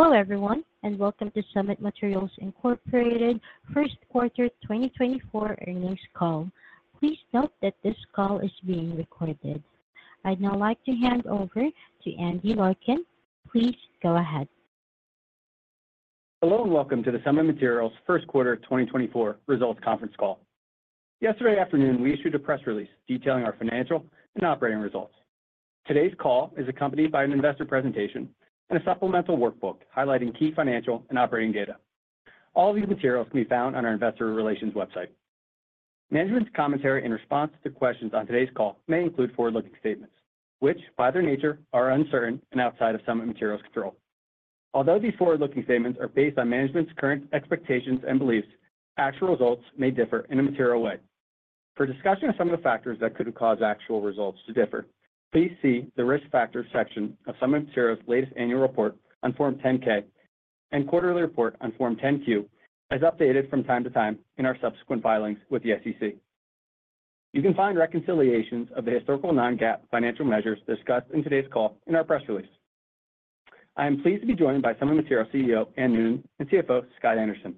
Hello everyone and welcome to Summit Materials Incorporated first quarter 2024 earnings call. Please note that this call is being recorded. I'd now like to hand over to Andy Larkin. Please go ahead. Hello and welcome to the Summit Materials first quarter 2024 results conference call. Yesterday afternoon we issued a press release detailing our financial and operating results. Today's call is accompanied by an investor presentation and a supplemental workbook highlighting key financial and operating data. All of these materials can be found on our investor relations website. Management's commentary in response to questions on today's call may include forward-looking statements which, by their nature, are uncertain and outside of Summit Materials control. Although these forward-looking statements are based on management's current expectations and beliefs, actual results may differ in a material way. For discussion of some of the factors that could cause actual results to differ, please see the risk factors section of Summit Materials' latest annual report on Form 10-K and quarterly report on Form 10-Q as updated from time to time in our subsequent filings with the SEC. You can find reconciliations of the historical non-GAAP financial measures discussed in today's call in our press release. I am pleased to be joined by Summit Materials CEO Anne Noonan and CFO Scott Anderson.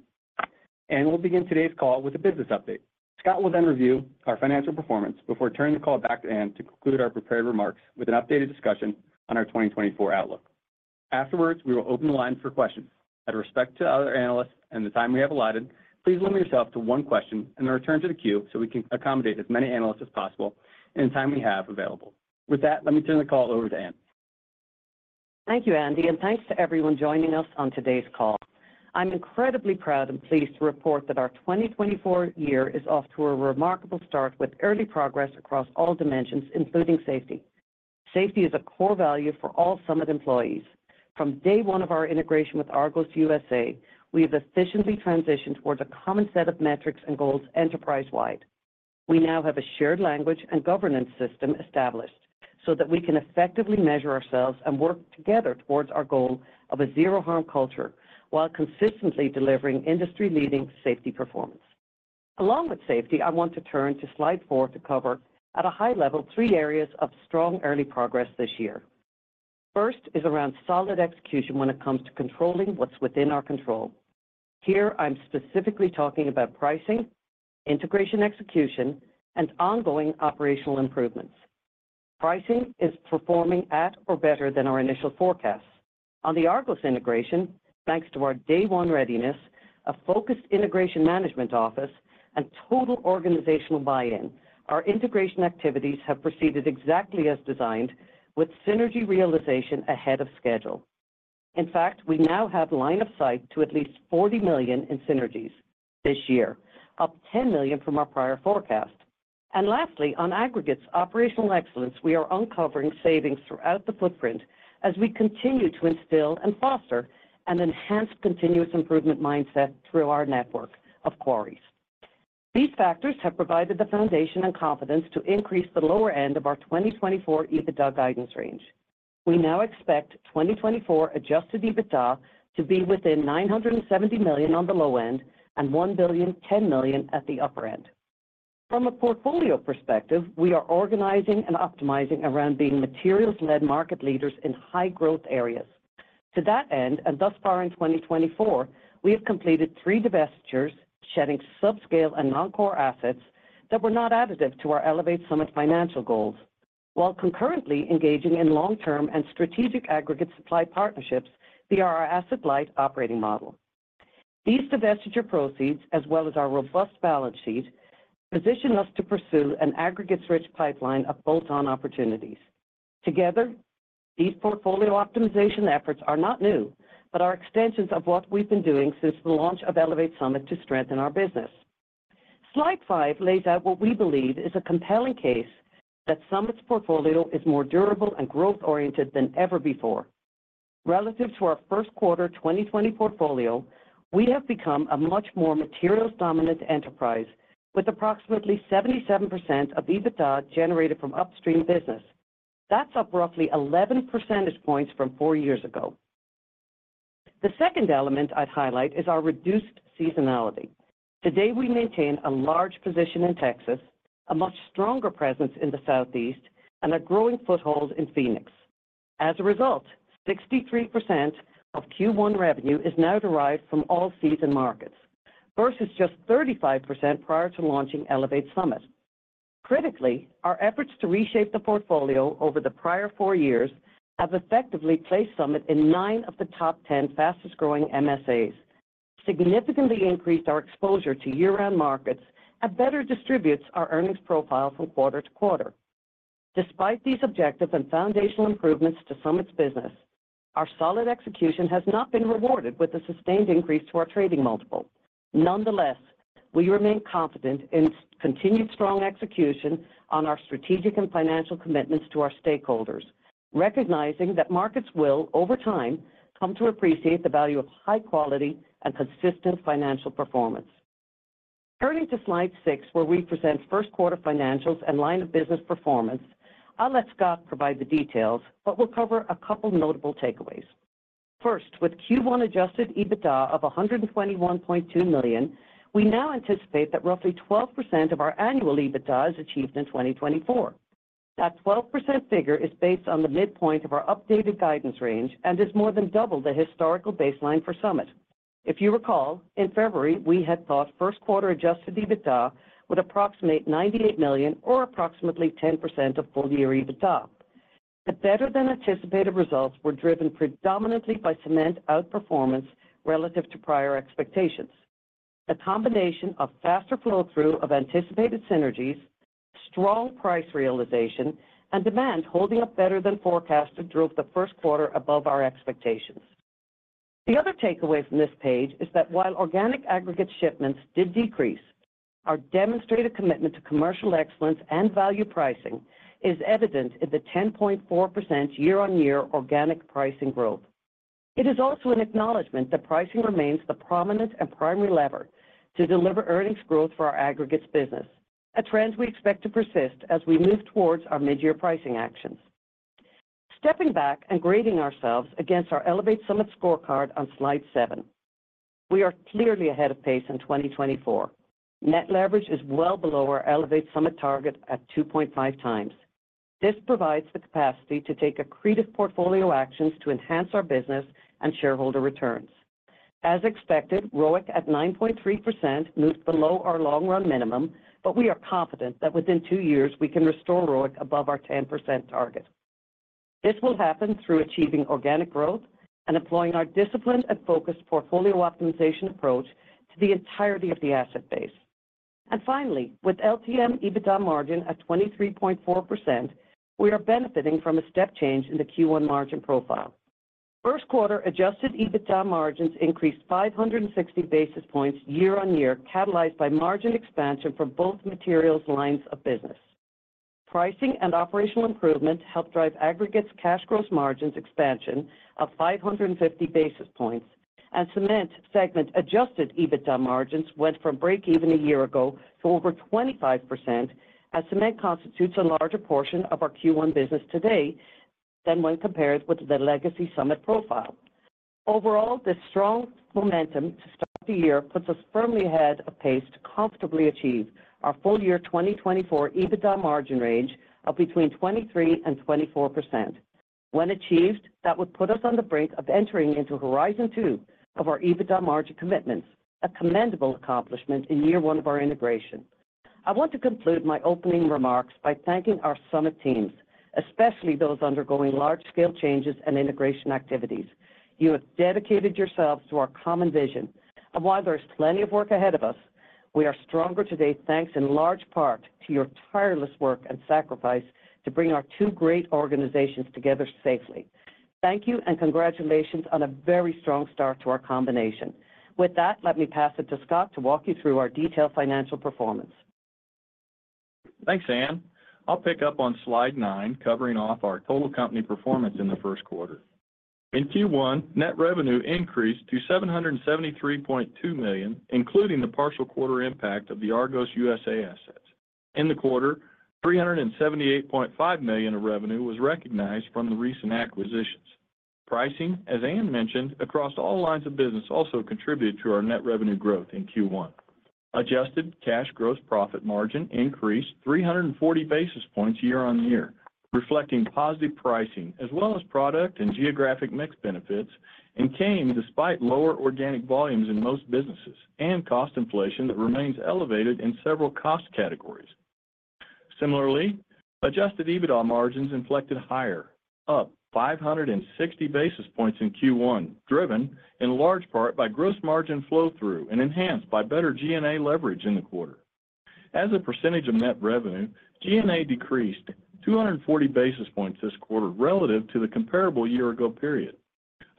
Anne will begin today's call with a business update. Scott will then review our financial performance before turning the call back to Anne to conclude our prepared remarks with an updated discussion on our 2024 outlook. Afterwards we will open the line for questions. With respect to other analysts and the time we have allotted, please limit yourself to one question and then return to the queue so we can accommodate as many analysts as possible in the time we have available. With that, let me turn the call over to Anne. Thank you, Andy, and thanks to everyone joining us on today's call. I'm incredibly proud and pleased to report that our 2024 year is off to a remarkable start with early progress across all dimensions including safety. Safety is a core value for all Summit employees. From day one of our integration with Argos USA, we have efficiently transitioned towards a common set of metrics and goals enterprise-wide. We now have a shared language and governance system established so that we can effectively measure ourselves and work together towards our goal of a zero-harm culture while consistently delivering industry-leading safety performance. Along with safety, I want to turn to slide four to cover, at a high level, three areas of strong early progress this year. First is around solid execution when it comes to controlling what's within our control. Here I'm specifically talking about pricing, integration execution, and ongoing operational improvements. Pricing is performing at or better than our initial forecasts. On the Argos integration, thanks to our day one readiness, a focused integration management office, and total organizational buy-in, our integration activities have proceeded exactly as designed with synergy realization ahead of schedule. In fact, we now have line of sight to at least $40 million in synergies this year, up $10 million from our prior forecast. And lastly, on aggregates operational excellence, we are uncovering savings throughout the footprint as we continue to instill and foster an enhanced continuous improvement mindset through our network of quarries. These factors have provided the foundation and confidence to increase the lower end of our 2024 EBITDA guidance range. We now expect 2024 Adjusted EBITDA to be within $970 million on the low end and $1.01 billion at the upper end. From a portfolio perspective, we are organizing and optimizing around being materials-led market leaders in high growth areas. To that end, and thus far in 2024, we have completed 3 divestitures shedding subscale and non-core assets that were not additive to our Elevate Summit financial goals while concurrently engaging in long-term and strategic aggregate supply partnerships via our asset light operating model. These divestiture proceeds, as well as our robust balance sheet, position us to pursue an aggregates-rich pipeline of bolt-on opportunities. Together, these portfolio optimization efforts are not new but are extensions of what we've been doing since the launch of Elevate Summit to strengthen our business. Slide five lays out what we believe is a compelling case that Summit's portfolio is more durable and growth-oriented than ever before. Relative to our first quarter 2020 portfolio, we have become a much more materials-dominant enterprise with approximately 77% of EBITDA generated from upstream business. That's up roughly 11 percentage points from four years ago. The second element I'd highlight is our reduced seasonality. Today we maintain a large position in Texas, a much stronger presence in the Southeast, and a growing foothold in Phoenix. As a result, 63% of Q1 revenue is now derived from all season markets versus just 35% prior to launching Elevate Summit. Critically, our efforts to reshape the portfolio over the prior four years have effectively placed Summit in nine of the top 10 fastest-growing MSAs, significantly increased our exposure to year-round markets, and better distributes our earnings profile from quarter to quarter. Despite these objective and foundational improvements to Summit's business, our solid execution has not been rewarded with a sustained increase to our trading multiple. Nonetheless, we remain confident in continued strong execution on our strategic and financial commitments to our stakeholders, recognizing that markets will, over time, come to appreciate the value of high-quality and consistent financial performance. Turning to slide 6 where we present first quarter financials and line of business performance, I'll let Scott provide the details but will cover a couple notable takeaways. First, with Q1 adjusted EBITDA of $121.2 million, we now anticipate that roughly 12% of our annual EBITDA is achieved in 2024. That 12% figure is based on the midpoint of our updated guidance range and is more than double the historical baseline for Summit. If you recall, in February we had thought first quarter Adjusted EBITDA would approximate $98 million or approximately 10% of full-year EBITDA. The better-than-anticipated results were driven predominantly by cement outperformance relative to prior expectations. A combination of faster flow-through of anticipated synergies, strong price realization, and demand holding up better than forecasted drove the first quarter above our expectations. The other takeaway from this page is that while organic aggregate shipments did decrease, our demonstrated commitment to commercial excellence and value pricing is evident in the 10.4% year-on-year organic pricing growth. It is also an acknowledgment that pricing remains the prominent and primary lever to deliver earnings growth for our aggregates business, a trend we expect to persist as we move towards our mid-year pricing actions. Stepping back and grading ourselves against our Elevate Summit scorecard on slide seven, we are clearly ahead of pace in 2024. Net leverage is well below our Elevate Summit target at 2.5x. This provides the capacity to take accretive portfolio actions to enhance our business and shareholder returns. As expected, ROIC at 9.3% moved below our long-run minimum but we are confident that within two years we can restore ROIC above our 10% target. This will happen through achieving organic growth and applying our disciplined and focused portfolio optimization approach to the entirety of the asset base. And finally, with LTM EBITDA margin at 23.4%, we are benefiting from a step change in the Q1 margin profile. First quarter adjusted EBITDA margins increased 560 basis points year-on-year catalyzed by margin expansion for both materials lines of business. Pricing and operational improvement helped drive aggregates cash growth margins expansion of 550 basis points and cement segment adjusted EBITDA margins went from break-even a year ago to over 25% as cement constitutes a larger portion of our Q1 business today than when compared with the legacy Summit profile. Overall, this strong momentum to start the year puts us firmly ahead of pace to comfortably achieve our full-year 2024 EBITDA margin range of between 23% and 24%. When achieved, that would put us on the brink of entering into horizon two of our EBITDA margin commitments, a commendable accomplishment in year one of our integration. I want to conclude my opening remarks by thanking our Summit teams, especially those undergoing large-scale changes and integration activities. You have dedicated yourselves to our common vision and while there is plenty of work ahead of us, we are stronger today thanks in large part to your tireless work and sacrifice to bring our two great organizations together safely. Thank you and congratulations on a very strong start to our combination. With that, let me pass it to Scott to walk you through our detailed financial performance. Thanks, Anne. I'll pick up on slide nine covering off our total company performance in the first quarter. In Q1, net revenue increased to $773.2 million including the partial quarter impact of the Argos USA assets. In the quarter, $378.5 million of revenue was recognized from the recent acquisitions. Pricing, as Anne mentioned, across all lines of business also contributed to our net revenue growth in Q1. Adjusted Cash Gross Profit Margin increased 340 basis points year-on-year, reflecting positive pricing as well as product and geographic mix benefits and came despite lower organic volumes in most businesses and cost inflation that remains elevated in several cost categories. Similarly, adjusted EBITDA margins inflected higher, up 560 basis points in Q1, driven in large part by gross margin flow-through and enhanced by better G&A leverage in the quarter. As a percentage of net revenue, G&A decreased 240 basis points this quarter relative to the comparable year-ago period.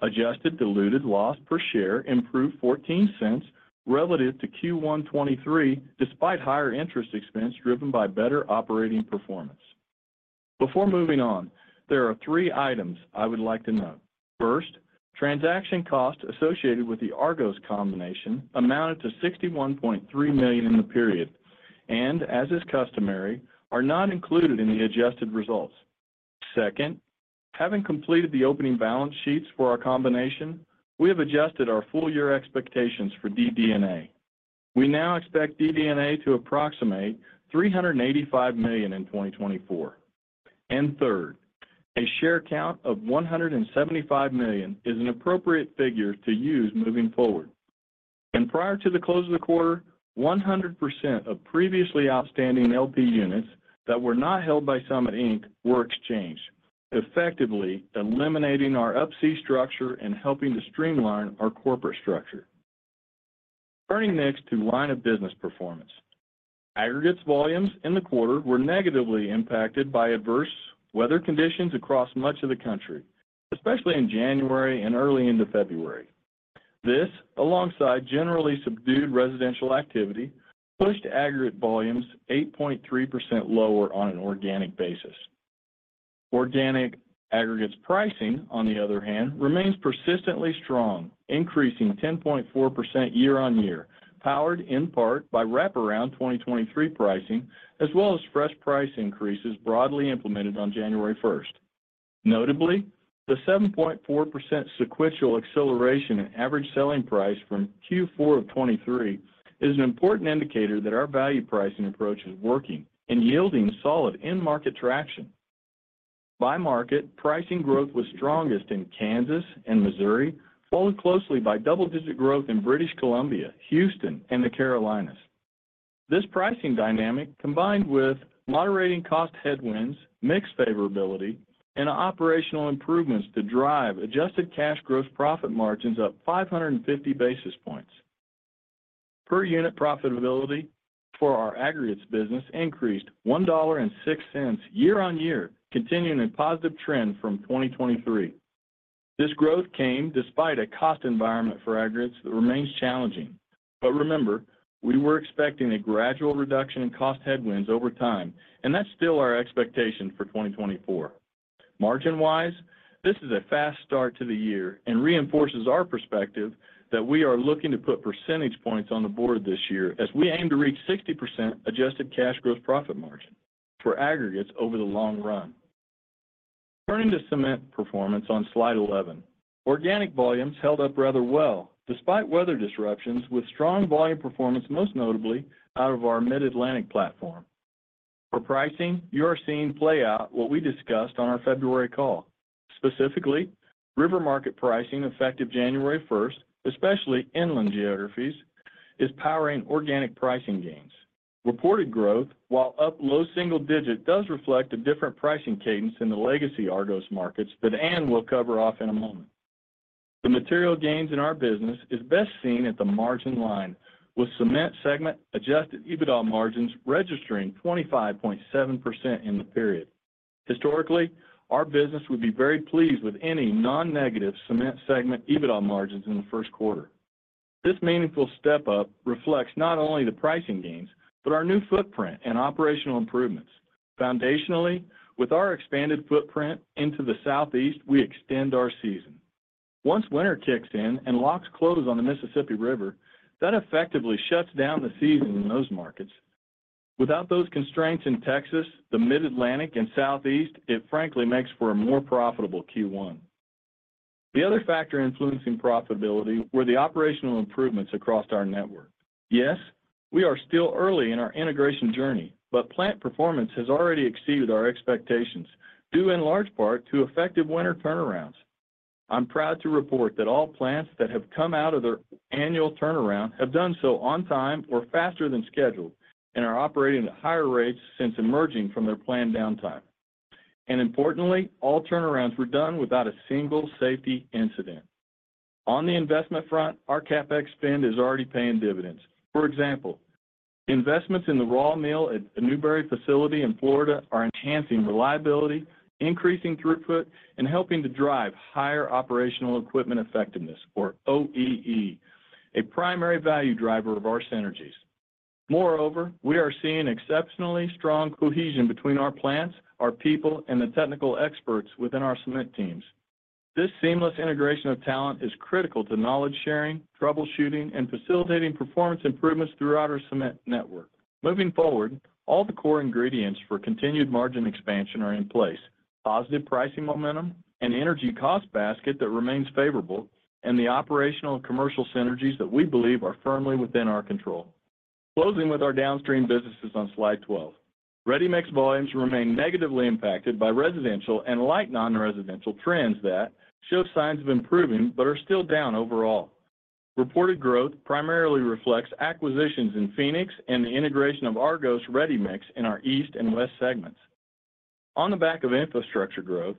Adjusted diluted loss per share improved $0.14 relative to Q1 2023 despite higher interest expense driven by better operating performance. Before moving on, there are three items I would like to note. First, transaction cost associated with the Argos combination amounted to $61.3 million in the period and, as is customary, are not included in the adjusted results. Second, having completed the opening balance sheets for our combination, we have adjusted our full-year expectations for DD&A. We now expect DD&A to approximate $385 million in 2024. And third, a share count of 175 million is an appropriate figure to use moving forward. And prior to the close of the quarter, 100% of previously outstanding LP units that were not held by Summit Inc. were exchanged, effectively eliminating our Up-C structure and helping to streamline our corporate structure. Turning next to line of business performance, aggregates volumes in the quarter were negatively impacted by adverse weather conditions across much of the country, especially in January and early into February. This, alongside generally subdued residential activity, pushed aggregate volumes 8.3% lower on an organic basis. Organic aggregates pricing, on the other hand, remains persistently strong, increasing 10.4% year-on-year, powered in part by wraparound 2023 pricing as well as fresh price increases broadly implemented on January 1st. Notably, the 7.4% sequential acceleration in average selling price from Q4 of 2023 is an important indicator that our value pricing approach is working and yielding solid in-market traction. By market, pricing growth was strongest in Kansas and Missouri, followed closely by double-digit growth in British Columbia, Houston, and the Carolinas. This pricing dynamic, combined with moderating cost headwinds, mixed favorability, and operational improvements to drive adjusted cash gross profit margins up 550 basis points. Per unit profitability for our aggregates business increased $1.06 year-on-year, continuing a positive trend from 2023. This growth came despite a cost environment for aggregates that remains challenging. But remember, we were expecting a gradual reduction in cost headwinds over time, and that's still our expectation for 2024. Margin-wise, this is a fast start to the year and reinforces our perspective that we are looking to put percentage points on the board this year as we aim to reach 60% adjusted cash gross profit margin for aggregates over the long run. Turning to cement performance on slide 11, organic volumes held up rather well despite weather disruptions, with strong volume performance most notably out of our Mid-Atlantic platform. For pricing, you are seeing play out what we discussed on our February call. Specifically, river market pricing effective January 1st, especially inland geographies, is powering organic pricing gains. Reported growth, while up low single digit, does reflect a different pricing cadence in the legacy Argos markets that Anne will cover off in a moment. The material gains in our business is best seen at the margin line with cement segment adjusted EBITDA margins registering 25.7% in the period. Historically, our business would be very pleased with any non-negative cement segment EBITDA margins in the first quarter. This meaningful step up reflects not only the pricing gains but our new footprint and operational improvements. Foundationally, with our expanded footprint into the Southeast, we extend our season. Once winter kicks in and locks close on the Mississippi River, that effectively shuts down the season in those markets. Without those constraints in Texas, the Mid-Atlantic and Southeast, it frankly makes for a more profitable Q1. The other factor influencing profitability were the operational improvements across our network. Yes, we are still early in our integration journey, but plant performance has already exceeded our expectations, due in large part to effective winter turnarounds. I'm proud to report that all plants that have come out of their annual turnaround have done so on time or faster than scheduled and are operating at higher rates since emerging from their planned downtime. Importantly, all turnarounds were done without a single safety incident. On the investment front, our CapEx spend is already paying dividends. For example, investments in the raw meal at a Newberry facility in Florida are enhancing reliability, increasing throughput, and helping to drive higher operational equipment effectiveness, or OEE, a primary value driver of our synergies. Moreover, we are seeing exceptionally strong cohesion between our plants, our people, and the technical experts within our cement teams. This seamless integration of talent is critical to knowledge sharing, troubleshooting, and facilitating performance improvements throughout our cement network. Moving forward, all the core ingredients for continued margin expansion are in place: positive pricing momentum, an energy cost basket that remains favorable, and the operational and commercial synergies that we believe are firmly within our control. Closing with our downstream businesses on slide 12, ready-mix volumes remain negatively impacted by residential and light non-residential trends that show signs of improving but are still down overall. Reported growth primarily reflects acquisitions in Phoenix and the integration of Argos ready-mix in our east and west segments. On the back of infrastructure growth,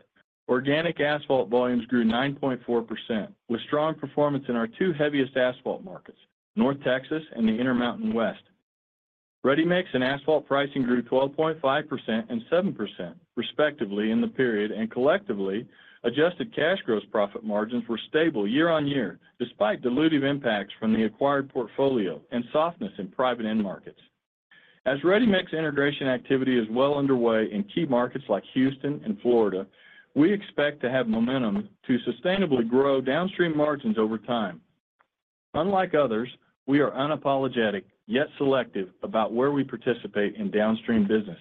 organic asphalt volumes grew 9.4% with strong performance in our two heaviest asphalt markets, North Texas and the Intermountain West. Ready-mix and asphalt pricing grew 12.5% and 7%, respectively, in the period and collectively, adjusted cash gross profit margins were stable year-on-year despite dilutive impacts from the acquired portfolio and softness in private end markets. As ready-mix integration activity is well underway in key markets like Houston and Florida, we expect to have momentum to sustainably grow downstream margins over time. Unlike others, we are unapologetic yet selective about where we participate in downstream businesses.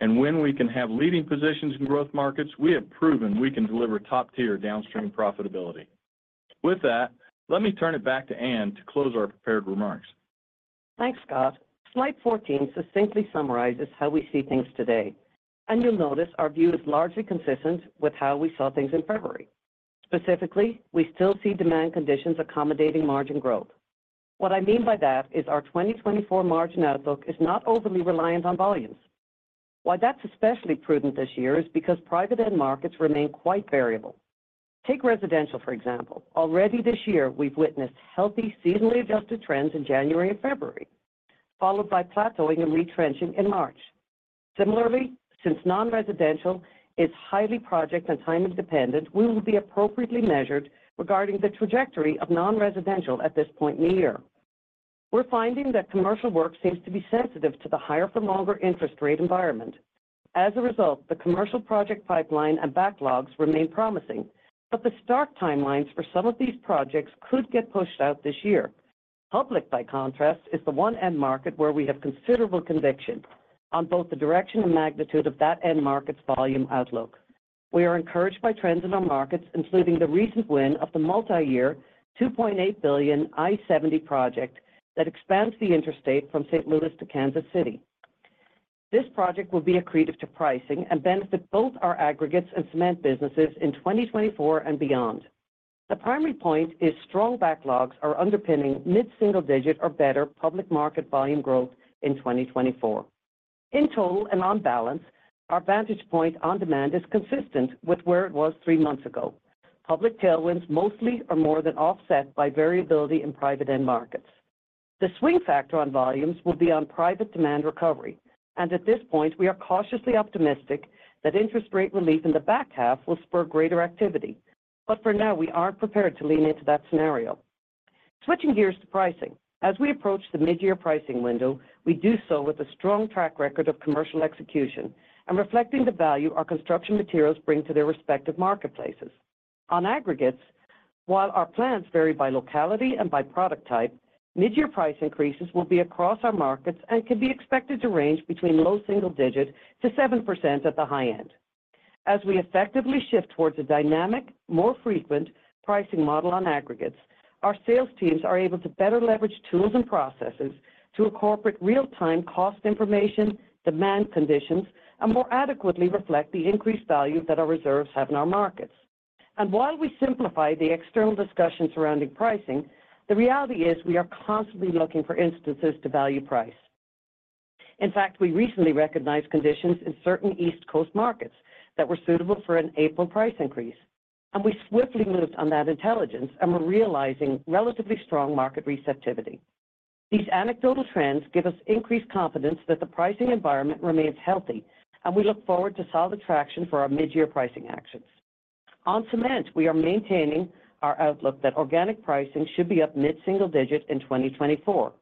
And when we can have leading positions in growth markets, we have proven we can deliver top-tier downstream profitability. With that, let me turn it back to Anne to close our prepared remarks. Thanks, Scott. Slide 14 succinctly summarizes how we see things today, and you'll notice our view is largely consistent with how we saw things in February. Specifically, we still see demand conditions accommodating margin growth. What I mean by that is our 2024 margin outlook is not overly reliant on volumes. Why that's especially prudent this year is because private end markets remain quite variable. Take residential, for example. Already this year, we've witnessed healthy seasonally adjusted trends in January and February, followed by plateauing and retrenching in March. Similarly, since non-residential is highly project and timing dependent, we will be appropriately measured regarding the trajectory of non-residential at this point in the year. We're finding that commercial work seems to be sensitive to the higher-for-longer interest rate environment. As a result, the commercial project pipeline and backlogs remain promising, but the start timelines for some of these projects could get pushed out this year. Public, by contrast, is the one end market where we have considerable conviction on both the direction and magnitude of that end market's volume outlook. We are encouraged by trends in our markets, including the recent win of the multi-year $2.8 billion I-70 project that expands the interstate from St. Louis to Kansas City. This project will be accretive to pricing and benefit both our aggregates and cement businesses in 2024 and beyond. The primary point is strong backlogs are underpinning mid-single digit or better public market volume growth in 2024. In total and on balance, our vantage point on demand is consistent with where it was three months ago. Public tailwinds mostly are more than offset by variability in private end markets. The swing factor on volumes will be on private demand recovery, and at this point, we are cautiously optimistic that interest rate relief in the back half will spur greater activity. But for now, we aren't prepared to lean into that scenario. Switching gears to pricing, as we approach the mid-year pricing window, we do so with a strong track record of commercial execution and reflecting the value our construction materials bring to their respective marketplaces. On aggregates, while our plants vary by locality and by product type, mid-year price increases will be across our markets and can be expected to range between low single-digit to 7% at the high end. As we effectively shift towards a dynamic, more frequent pricing model on aggregates, our sales teams are able to better leverage tools and processes to incorporate real-time cost information, demand conditions, and more adequately reflect the increased value that our reserves have in our markets. And while we simplify the external discussion surrounding pricing, the reality is we are constantly looking for instances to value price. In fact, we recently recognized conditions in certain East Coast markets that were suitable for an April price increase, and we swiftly moved on that intelligence and were realizing relatively strong market receptivity. These anecdotal trends give us increased confidence that the pricing environment remains healthy, and we look forward to solid traction for our mid-year pricing actions. On cement, we are maintaining our outlook that organic pricing should be up mid-single digit in 2024.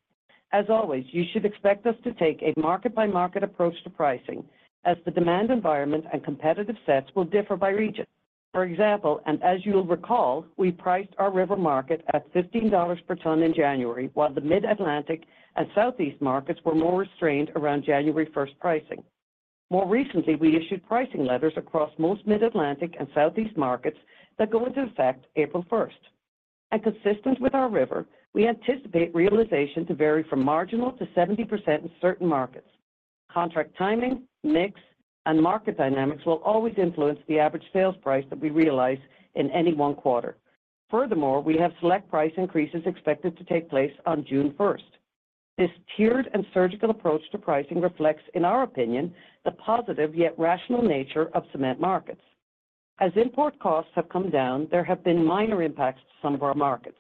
As always, you should expect us to take a market-by-market approach to pricing as the demand environment and competitive sets will differ by region. For example, and as you'll recall, we priced our river market at $15 per ton in January while the Mid-Atlantic and Southeast markets were more restrained around January 1st pricing. More recently, we issued pricing letters across most Mid-Atlantic and Southeast markets that go into effect April 1st. And consistent with our river, we anticipate realization to vary from marginal to 70% in certain markets. Contract timing, mix, and market dynamics will always influence the average sales price that we realize in any one quarter. Furthermore, we have select price increases expected to take place on June 1st. This tiered and surgical approach to pricing reflects, in our opinion, the positive yet rational nature of cement markets. As import costs have come down, there have been minor impacts to some of our markets.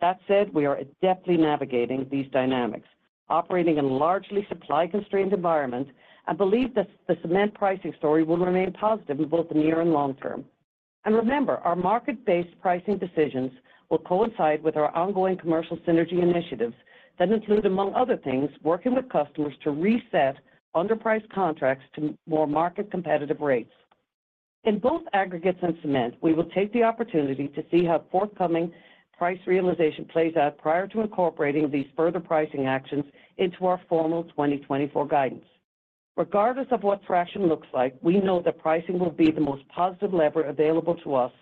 That said, we are adeptly navigating these dynamics, operating in largely supply-constrained environments, and believe that the cement pricing story will remain positive in both the near and long term. And remember, our market-based pricing decisions will coincide with our ongoing commercial synergy initiatives that include, among other things, working with customers to reset underpriced contracts to more market-competitive rates. In both aggregates and cement, we will take the opportunity to see how forthcoming price realization plays out prior to incorporating these further pricing actions into our formal 2024 guidance. Regardless of what traction looks like, we know that pricing will be the most positive lever available to us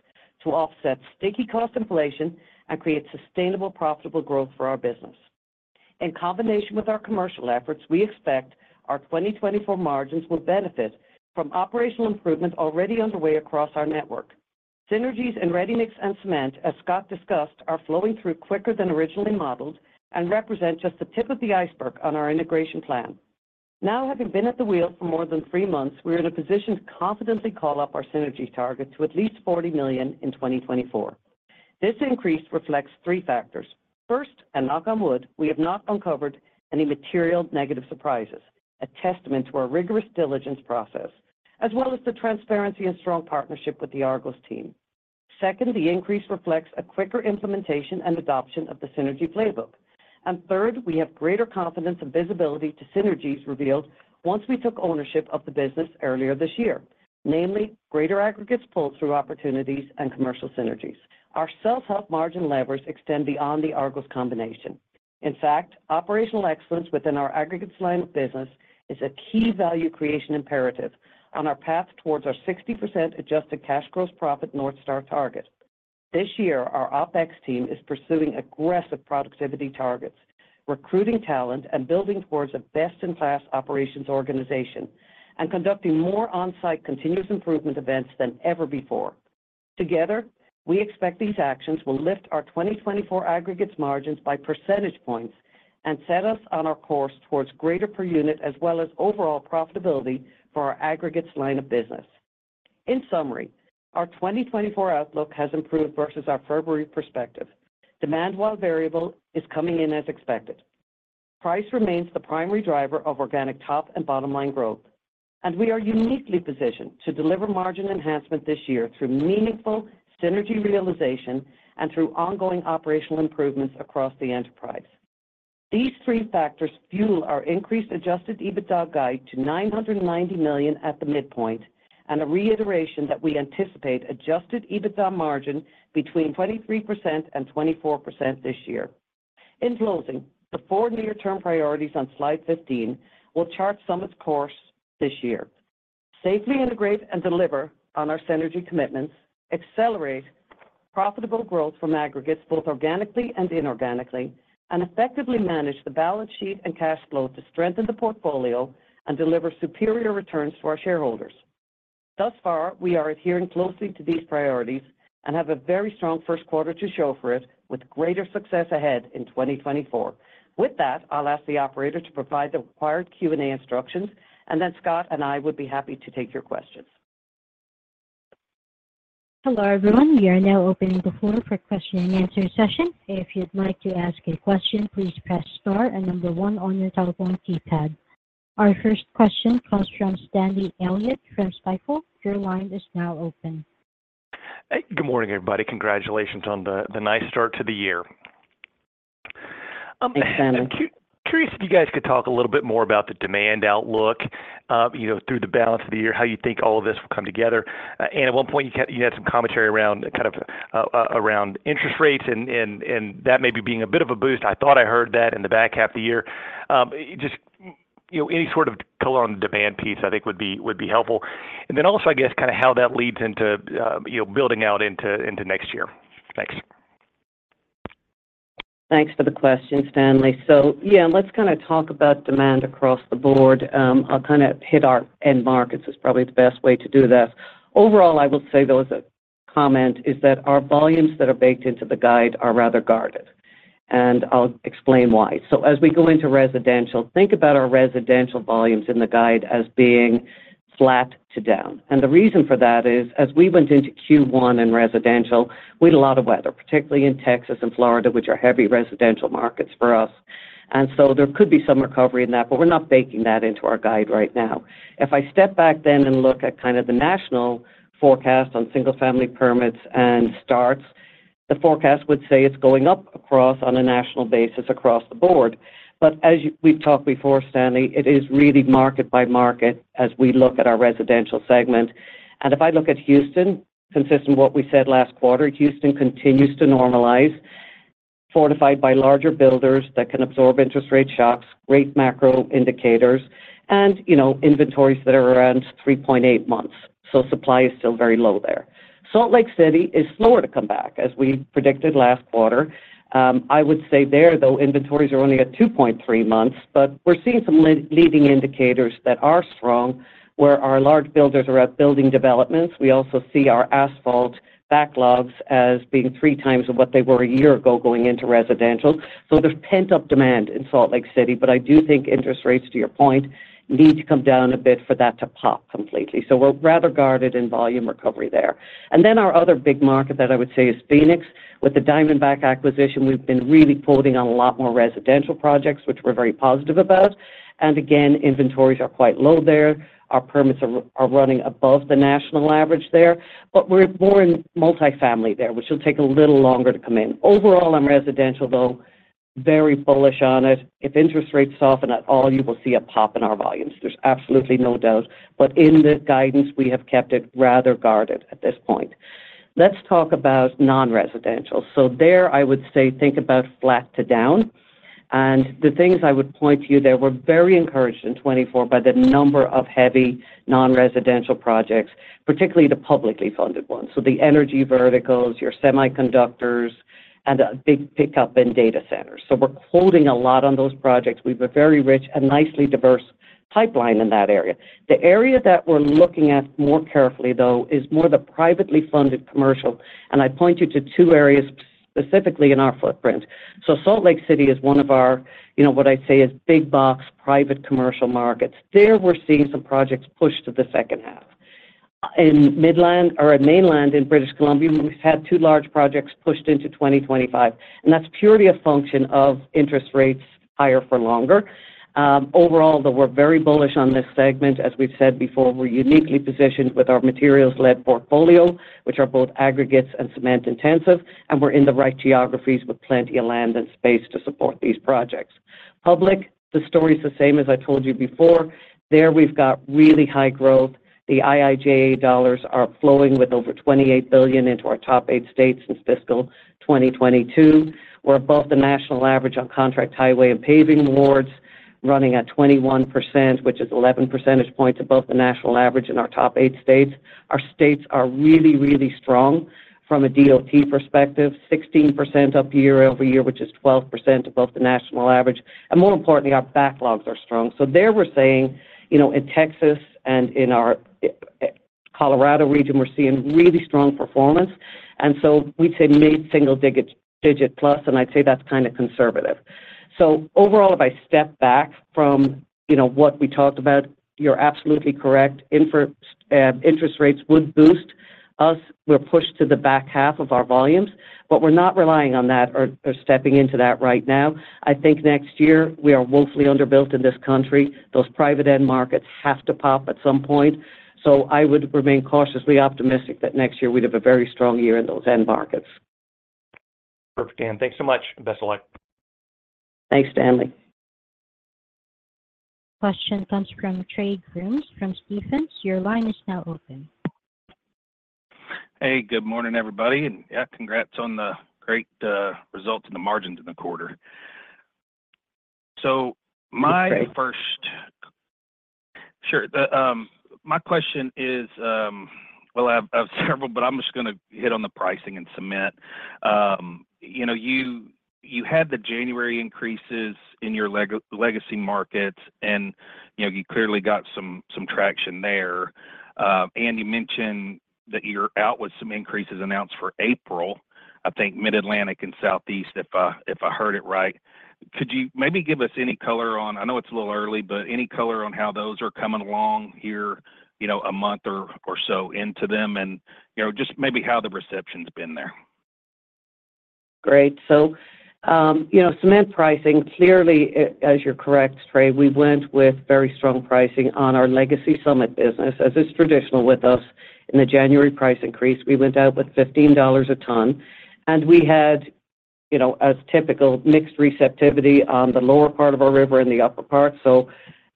to offset sticky cost inflation and create sustainable profitable growth for our business. In combination with our commercial efforts, we expect our 2024 margins will benefit from operational improvement already underway across our network. Synergies in ready-mix and cement, as Scott discussed, are flowing through quicker than originally modeled and represent just the tip of the iceberg on our integration plan. Now having been at the wheel for more than three months, we're in a position to confidently call up our synergy target to at least $40 million in 2024. This increase reflects three factors. First, and knock on wood, we have not uncovered any material negative surprises, a testament to our rigorous diligence process as well as the transparency and strong partnership with the Argos team. Second, the increase reflects a quicker implementation and adoption of the synergy playbook. And third, we have greater confidence and visibility to synergies revealed once we took ownership of the business earlier this year, namely greater aggregates pulled through opportunities and commercial synergies. Our self-help margin levers extend beyond the Argos combination. In fact, operational excellence within our aggregates line of business is a key value creation imperative on our path towards our 60% adjusted cash gross profit North Star target. This year, our OpEx team is pursuing aggressive productivity targets, recruiting talent, and building towards a best-in-class operations organization and conducting more on-site continuous improvement events than ever before. Together, we expect these actions will lift our 2024 aggregates margins by percentage points and set us on our course towards greater per unit as well as overall profitability for our aggregates line of business. In summary, our 2024 outlook has improved versus our February perspective. Demand while variable is coming in as expected. Price remains the primary driver of organic top and bottom line growth, and we are uniquely positioned to deliver margin enhancement this year through meaningful synergy realization and through ongoing operational improvements across the enterprise. These three factors fuel our increased Adjusted EBITDA guide to $990 million at the midpoint and a reiteration that we anticipate Adjusted EBITDA margin between 23% and 24% this year. In closing, the four near-term priorities on slide 15 will chart Summit's course this year: safely integrate and deliver on our synergy commitments, accelerate profitable growth from aggregates both organically and inorganically, and effectively manage the balance sheet and cash flow to strengthen the portfolio and deliver superior returns to our shareholders. Thus far, we are adhering closely to these priorities and have a very strong first quarter to show for it with greater success ahead in 2024. With that, I'll ask the operator to provide the required Q&A instructions, and then Scott and I would be happy to take your questions. Hello, everyone. We are now opening the floor for a question-and-answer session. If you'd like to ask a question, please press star and number one on your telephone keypad. Our first question comes from Stanley Elliott from Stifel. Your line is now open. Good morning, everybody. Congratulations on the nice start to the year. Thanks, Anne. I'm curious if you guys could talk a little bit more about the demand outlook through the balance of the year, how you think all of this will come together. Anne, at one point, you had some commentary around interest rates and that maybe being a bit of a boost. I thought I heard that in the back half of the year. Just any sort of color on the demand piece, I think, would be helpful. And then also, I guess, kind of how that leads into building out into next year. Thanks. Thanks for the question, Stanley. So yeah, let's kind of talk about demand across the board. I'll kind of hit our end markets is probably the best way to do this. Overall, I will say though, as a comment, is that our volumes that are baked into the guide are rather guarded, and I'll explain why. So as we go into residential, think about our residential volumes in the guide as being flat to down. And the reason for that is as we went into Q1 in residential, we had a lot of weather, particularly in Texas and Florida, which are heavy residential markets for us. And so there could be some recovery in that, but we're not baking that into our guide right now. If I step back then and look at kind of the national forecast on single-family permits and starts, the forecast would say it's going up across on a national basis across the board. But as we've talked before, Stanley, it is really market by market as we look at our residential segment. And if I look at Houston, consistent with what we said last quarter, Houston continues to normalize, fortified by larger builders that can absorb interest rate shocks, great macro indicators, and inventories that are around 3.8 months. So supply is still very low there. Salt Lake City is slower to come back as we predicted last quarter. I would say there, though, inventories are only at 2.3 months, but we're seeing some leading indicators that are strong where our large builders are at building developments. We also see our asphalt backlogs as being 3x what they were a year ago going into residential. So there's pent-up demand in Salt Lake City, but I do think interest rates, to your point, need to come down a bit for that to pop completely. So we're rather guarded in volume recovery there. And then our other big market that I would say is Phoenix. With the Diamondback acquisition, we've been really putting on a lot more residential projects, which we're very positive about. And again, inventories are quite low there. Our permits are running above the national average there, but we're more in multifamily there, which will take a little longer to come in. Overall, on residential, though, very bullish on it. If interest rates soften at all, you will see a pop in our volumes. There's absolutely no doubt. But in the guidance, we have kept it rather guarded at this point. Let's talk about non-residential. So there, I would say think about flat to down. And the things I would point to you there, we're very encouraged in 2024 by the number of heavy non-residential projects, particularly the publicly funded ones. So the energy verticals, your semiconductors, and a big pickup in data centers. So we're quoting a lot on those projects. We have a very rich and nicely diverse pipeline in that area. The area that we're looking at more carefully, though, is more the privately funded commercial. And I point you to two areas specifically in our footprint. So Salt Lake City is one of our, what I'd say, is big-box private commercial markets. There, we're seeing some projects pushed to the second half. In Midland or in mainland in British Columbia, we've had 2 large projects pushed into 2025, and that's purely a function of interest rates higher for longer. Overall, though, we're very bullish on this segment. As we've said before, we're uniquely positioned with our materials-led portfolio, which are both aggregates and cement-intensive, and we're in the right geographies with plenty of land and space to support these projects. Public, the story's the same as I told you before. There, we've got really high growth. The IIJA dollars are flowing with over $28 billion into our top 8 states since fiscal 2022. We're above the national average on contract highway and paving awards, running at 21%, which is 11 percentage points above the national average in our top 8 states. Our states are really, really strong from a DOT perspective, 16% up year-over-year, which is 12% above the national average. More importantly, our backlogs are strong. So there, we're saying in Texas and in our Colorado region, we're seeing really strong performance. And so we'd say mid-single digit plus, and I'd say that's kind of conservative. So overall, if I step back from what we talked about, you're absolutely correct. Interest rates would boost us. We're pushed to the back half of our volumes, but we're not relying on that or stepping into that right now. I think next year we are woefully underbuilt in this country. Those private-end markets have to pop at some point. So I would remain cautiously optimistic that next year we'd have a very strong year in those end markets. Perfect, Anne. Thanks so much. Best of luck. Thanks, Stanley. Question comes from Trey Grooms from Stephens. Your line is now open. Hey, good morning, everybody. Yeah, congrats on the great results in the margins in the quarter. So, my first question. Well, I have several, but I'm just going to hit on the pricing and cement. You had the January increases in your legacy markets, and you clearly got some traction there. Anne, you mentioned that you're out with some increases announced for April, I think, Mid-Atlantic and Southeast, if I heard it right. Could you maybe give us any color on how those are coming along? I know it's a little early, but any color on how those are coming along here a month or so into them and just maybe how the reception's been there? Great. So cement pricing, clearly, as you're correct, Trey, we went with very strong pricing on our legacy Summit business. As is traditional with us, in the January price increase, we went out with $15 a ton. And we had, as typical, mixed receptivity on the lower part of our river and the upper part. So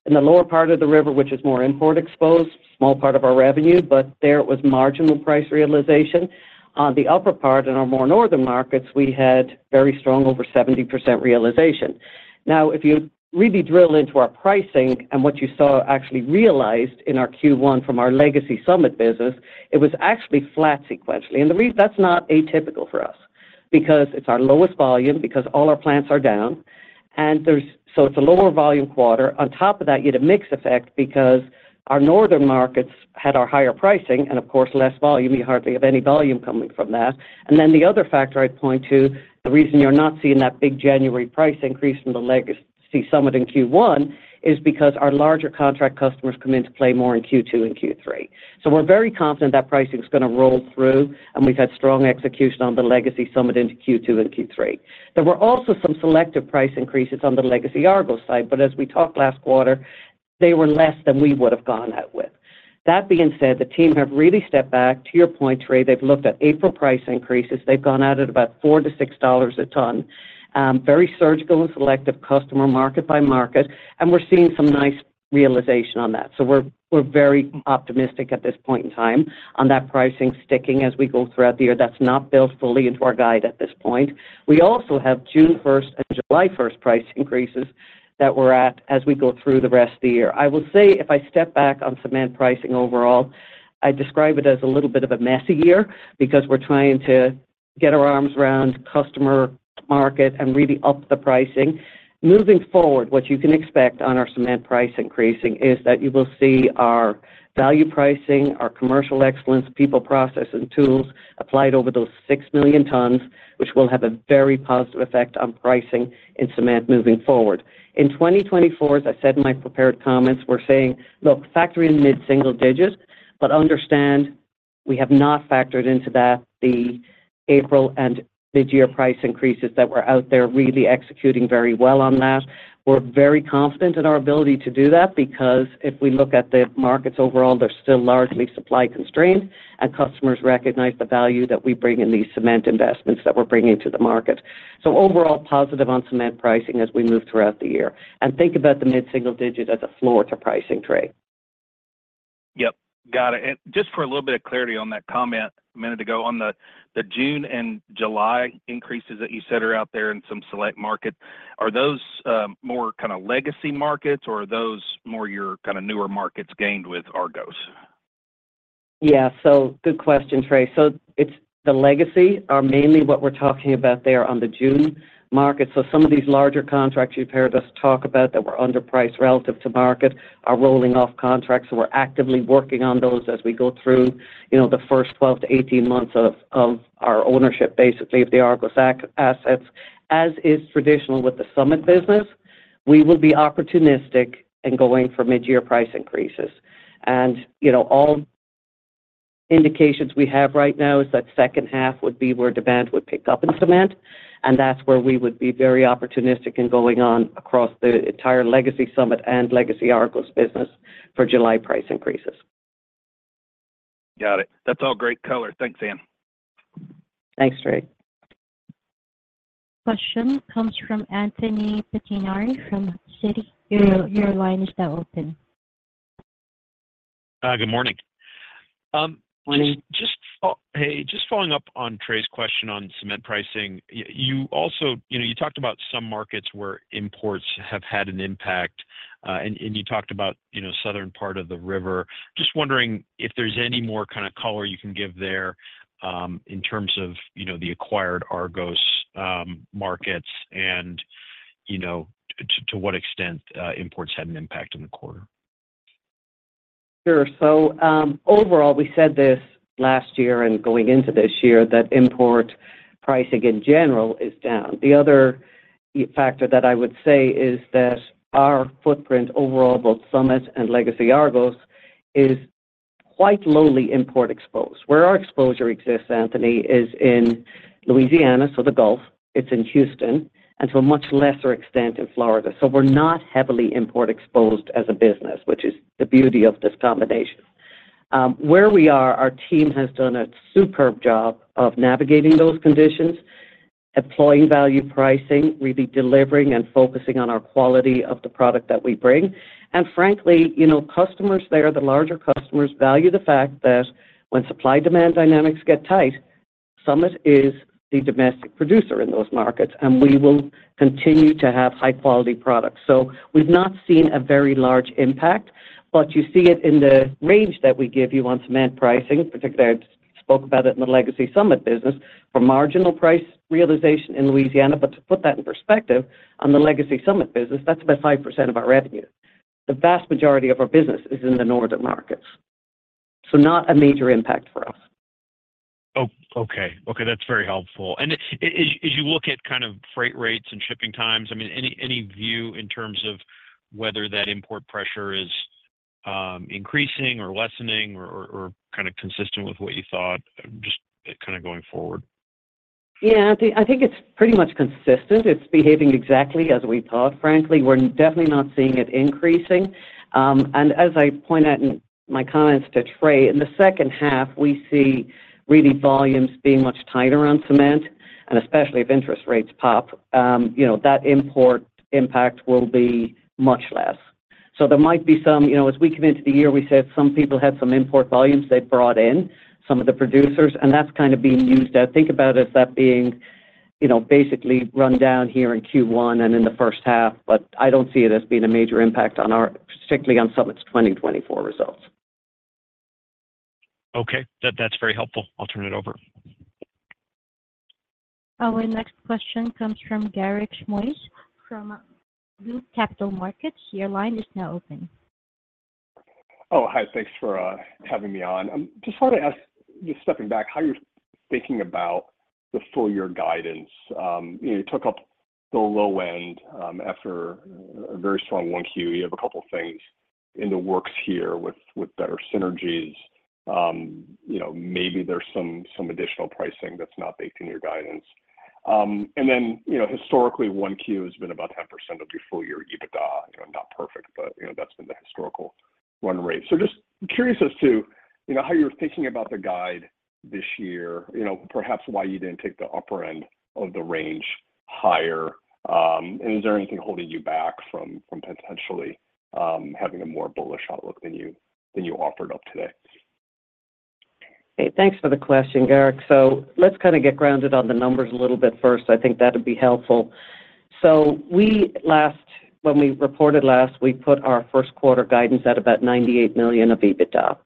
in the lower part of the river, which is more import-exposed, small part of our revenue, but there it was marginal price realization. On the upper part, in our more northern markets, we had very strong over 70% realization. Now, if you really drill into our pricing and what you saw actually realized in our Q1 from our legacy Summit business, it was actually flat sequentially. And that's not atypical for us because it's our lowest volume because all our plants are down. And so it's a lower volume quarter. On top of that, you had a mixed effect because our northern markets had our higher pricing and, of course, less volume. You hardly have any volume coming from that. And then the other factor I'd point to, the reason you're not seeing that big January price increase from the legacy Summit in Q1 is because our larger contract customers come in to play more in Q2 and Q3. So we're very confident that pricing's going to roll through, and we've had strong execution on the legacy Summit into Q2 and Q3. There were also some selective price increases on the legacy Argos side, but as we talked last quarter, they were less than we would have gone out with. That being said, the team have really stepped back. To your point, Trey, they've looked at April price increases. They've gone out at about $4-$6 a ton, very surgical and selective customer market by market, and we're seeing some nice realization on that. So we're very optimistic at this point in time on that pricing sticking as we go throughout the year. That's not built fully into our guide at this point. We also have June 1st and July 1st price increases that we're at as we go through the rest of the year. I will say if I step back on cement pricing overall, I describe it as a little bit of a messy year because we're trying to get our arms around customer market and really up the pricing. Moving forward, what you can expect on our cement price increasing is that you will see our value pricing, our commercial excellence, people process, and tools applied over those 6 million tons, which will have a very positive effect on pricing in cement moving forward. In 2024, as I said in my prepared comments, we're saying, "Look, factor in mid-single digits, but understand we have not factored into that the April and mid-year price increases that were out there really executing very well on that." We're very confident in our ability to do that because if we look at the markets overall, they're still largely supply constrained, and customers recognize the value that we bring in these cement investments that we're bringing to the market. So overall, positive on cement pricing as we move throughout the year. And think about the mid-single digit as a floor to pricing, Trey. Yep. Got it. And just for a little bit of clarity on that comment a minute ago, on the June and July increases that you said are out there in some select markets, are those more kind of legacy markets, or are those more your kind of newer markets gained with Argos? Yeah. So good question, Trey. So the legacy are mainly what we're talking about there on the June market. So some of these larger contracts you've heard us talk about that were underpriced relative to market are rolling off contracts. So we're actively working on those as we go through the first 12-18 months of our ownership, basically, of the Argos assets. As is traditional with the Summit business, we will be opportunistic in going for mid-year price increases. And all indications we have right now is that second half would be where demand would pick up in cement, and that's where we would be very opportunistic in going on across the entire legacy Summit and legacy Argos business for July price increases. Got it. That's all great color. Thanks, Anne. Thanks, Trey. Question comes from Anthony Pettinari from Citi. Your line is now open. Good morning. Hey, just following up on Trey's question on cement pricing, you talked about some markets where imports have had an impact, and you talked about southern part of the river. Just wondering if there's any more kind of color you can give there in terms of the acquired Argos markets and to what extent imports had an impact in the quarter? Sure. So overall, we said this last year and going into this year that import pricing in general is down. The other factor that I would say is that our footprint overall, both Summit and legacy Argos, is quite lowly import-exposed. Where our exposure exists, Anthony, is in Louisiana, so the Gulf. It's in Houston, and to a much lesser extent in Florida. So we're not heavily import-exposed as a business, which is the beauty of this combination. Where we are, our team has done a superb job of navigating those conditions, employing value pricing, really delivering and focusing on our quality of the product that we bring. And frankly, customers there, the larger customers, value the fact that when supply-demand dynamics get tight, Summit is the domestic producer in those markets, and we will continue to have high-quality products. We've not seen a very large impact, but you see it in the range that we give you on cement pricing. In particular, I spoke about it in the legacy Summit business for marginal price realization in Louisiana. To put that in perspective, on the legacy Summit business, that's about 5% of our revenue. The vast majority of our business is in the northern markets, so not a major impact for us. Okay. Okay. That's very helpful. As you look at kind of freight rates and shipping times, I mean, any view in terms of whether that import pressure is increasing or lessening or kind of consistent with what you thought, just kind of going forward? Yeah. I think it's pretty much consistent. It's behaving exactly as we thought, frankly. We're definitely not seeing it increasing. And as I point out in my comments to Trey, in the second half, we see really volumes being much tighter on cement. And especially if interest rates pop, that import impact will be much less. So there might be some as we come into the year, we said some people had some import volumes they brought in, some of the producers, and that's kind of being used up. Think about it as that being basically run down here in Q1 and in the first half. But I don't see it as being a major impact on our, particularly on Summit's 2024 results. Okay. That's very helpful. I'll turn it over. Our next question comes from Garik Shmois from Loop Capital Markets. Your line is now open. Oh, hi. Thanks for having me on. Just wanted to ask, just stepping back, how you're thinking about the full-year guidance. You took up the low end after a very strong 1Q. You have a couple of things in the works here with better synergies. Maybe there's some additional pricing that's not baked in your guidance. And then historically, 1Q has been about 10% of your full-year EBITDA. Not perfect, but that's been the historical run rate. So just curious as to how you're thinking about the guide this year, perhaps why you didn't take the upper end of the range higher. And is there anything holding you back from potentially having a more bullish outlook than you offered up today? Hey, thanks for the question, Garik. So let's kind of get grounded on the numbers a little bit first. I think that would be helpful. So when we reported last, we put our first-quarter guidance at about $98 million of EBITDA.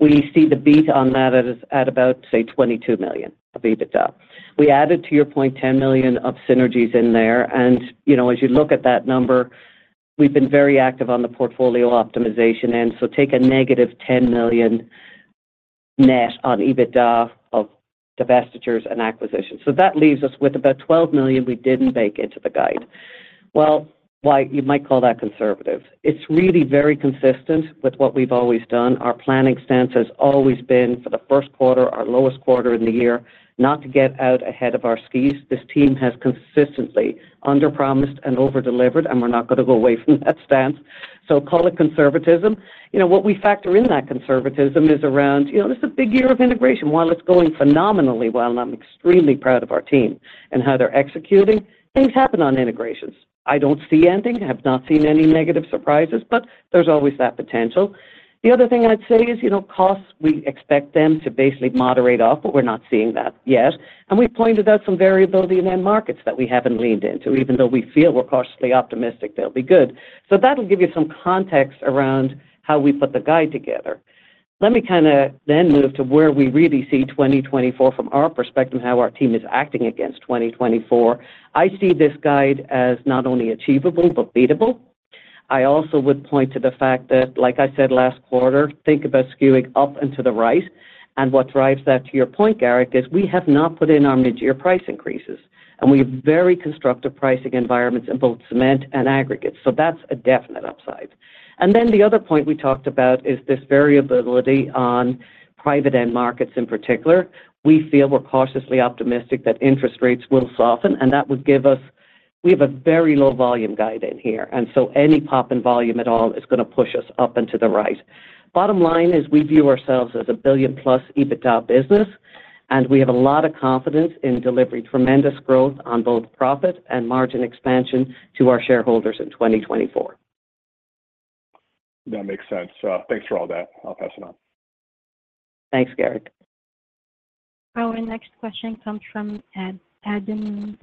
We see the beat on that at about, say, $22 million of EBITDA. We added, to your point, $10 million of synergies in there. And as you look at that number, we've been very active on the portfolio optimization. And so take a -$10 million net on EBITDA of divestitures and acquisitions. So that leaves us with about $12 million we didn't bake into the guide. Well, you might call that conservative. It's really very consistent with what we've always done. Our planning stance has always been, for the first quarter, our lowest quarter in the year, not to get out ahead of our skis. This team has consistently underpromised and overdelivered, and we're not going to go away from that stance. So call it conservatism. What we factor in that conservatism is around "This is a big year of integration. While it's going phenomenally well, and I'm extremely proud of our team and how they're executing, things happen on integrations. I don't see it ending. I have not seen any negative surprises, but there's always that potential." The other thing I'd say is costs. We expect them to basically moderate off, but we're not seeing that yet. And we pointed out some variability in end markets that we haven't leaned into, even though we feel we're cautiously optimistic they'll be good. So that'll give you some context around how we put the guide together. Let me kind of then move to where we really see 2024 from our perspective and how our team is acting against 2024. I see this guide as not only achievable but beatable. I also would point to the fact that, like I said last quarter, think about skewing up and to the right. What drives that, to your point, Garik, is we have not put in our mid-year price increases, and we have very constructive pricing environments in both cement and aggregates. That's a definite upside. Then the other point we talked about is this variability on private end markets in particular. We feel we're cautiously optimistic that interest rates will soften, and that would give us we have a very low volume guide in here. Any pop in volume at all is going to push us up and to the right. Bottom line is we view ourselves as a billion+ EBITDA business, and we have a lot of confidence in delivering tremendous growth on both profit and margin expansion to our shareholders in 2024. That makes sense. Thanks for all that. I'll pass it on. Thanks, Garik. Our next question comes from Adam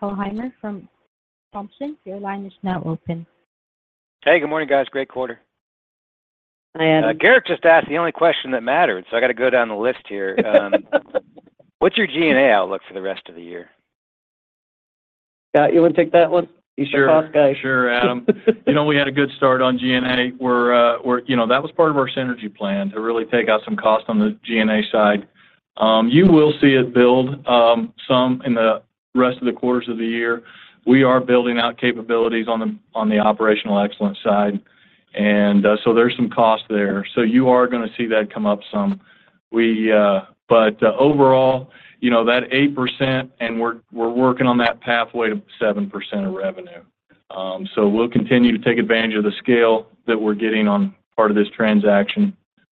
Thalhimer from Thompson. Your line is now open. Hey. Good morning, guys. Great quarter. Garik just asked the only question that mattered, so I got to go down the list here. What's your G&A outlook for the rest of the year? Yeah. You want to take that one? You're a cost guy. Sure, Adam. We had a good start on G&A. That was part of our synergy plan to really take out some cost on the G&A side. You will see it build some in the rest of the quarters of the year. We are building out capabilities on the operational excellence side, and so there's some cost there. So you are going to see that come up some. But overall, that 8%, and we're working on that pathway to 7% of revenue. So we'll continue to take advantage of the scale that we're getting on part of this transaction.